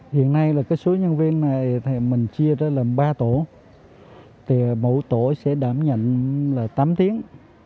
hiện nay số nhân viên này mình chia ra là ba tổ mỗi tổ sẽ đảm nhận tám tiếng